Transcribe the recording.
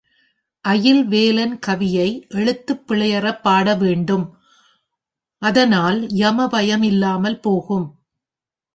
அயில்வேலன் கவியை எழுத்துப் பிழையறப் பாட வேண்டும், அதனால் யம பயம் இல்லாமல் போகும்.